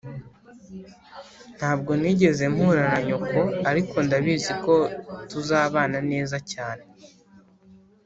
ntabwo nigeze mpura na nyoko ariko ndabizi ko tuzabana neza cyane.